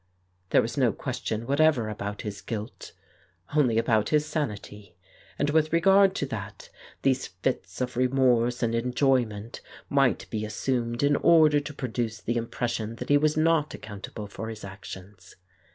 There was no question what ever about his guilt, only about his sanity, and with regard to that these fits of remorse and enjoyment might be assumed in order to produce the impression that he was not accountable for his actions.